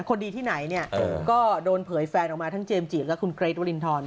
คนดีที่ไหนเนี่ยก็โดนเผยแฟนออกมาทั้งเจมส์จิและคุณเกรทวรินทร